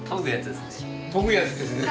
研ぐやつですね。